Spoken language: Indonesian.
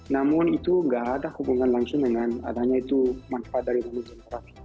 namun itu nggak ada hubungan langsung dengan adanya itu manfaat dari manusia